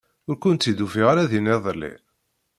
Ur kent-id-ufiɣ ara din iḍelli.